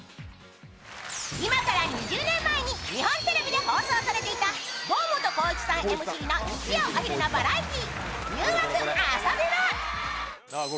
今から２０年前に日本テレビで放送されていた堂本光一さんＭＣの日曜お昼のバラエティー。